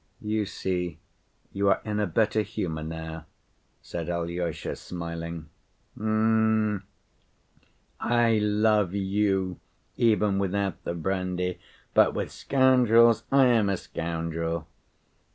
"You see you are in a better humor now," said Alyosha, smiling. "Um! I love you even without the brandy, but with scoundrels I am a scoundrel.